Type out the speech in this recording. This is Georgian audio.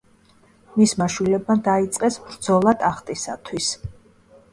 მისმა შვილებმა დაიწყეს ბრძოლა ტახტისათვის.